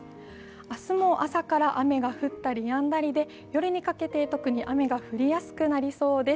明日も朝から雨が降ったりやんだりで夜にかけて、特に雨が降りやすくなりそうです。